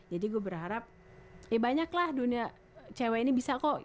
jadi gue berharap ya banyak lah dunia cewek ini bisa kok